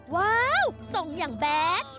ว้าวทรงอย่างแบด